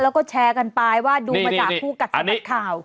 แล้วก็แชร์กันไปว่าดูมาจากคู่กัดสะบัดข่าว